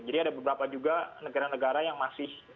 jadi ada beberapa juga negara negara yang masih